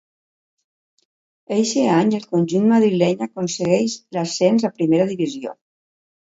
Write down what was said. Eixe any el conjunt madrileny aconsegueix l'ascens a Primera Divisió.